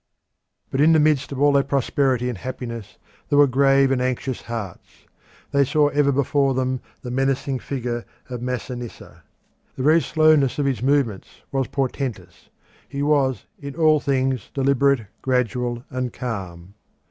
But in the midst of all their prosperity and happiness there were grave and anxious hearts. They saw ever before them the menacing figure of Masinissa. The very slowness of his movements was portentous. He was in all things deliberate, gradual, and calm.